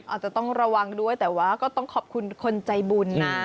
อาจจะต้องระวังด้วยแต่ว่าก็ต้องขอบคุณคนใจบุญนะ